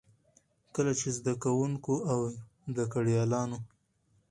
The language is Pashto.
کله چې زده کـوونـکو او زده کړيـالانـو